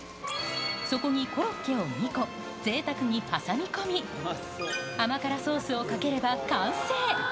そこにコロッケを２個、ぜいたくに挟み込み、甘辛ソースをかければ完成。